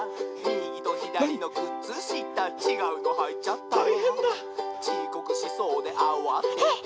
「みぎとひだりのくつしたちがうのはいちゃった」「ちこくしそうであわてて」